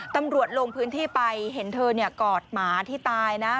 ตำรวจลงพื้นที่ไปเห็นเธอกอดหมาที่ตายนะ